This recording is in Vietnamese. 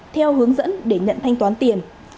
theo hướng dẫn để nhận thanh toán tiền